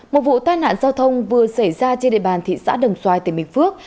một vụ tai nạn giao thông vừa xảy ra trên địa bàn thị xã đồng xoài tỉnh bình phước